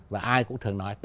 và ai cũng thường nói